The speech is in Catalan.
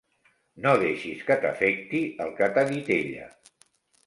No deixis que t'afecti el que t'ha dit ella.